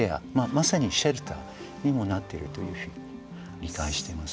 まさにシェルターにもなっているという理解しています。